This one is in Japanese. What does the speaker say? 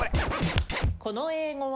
この英語は？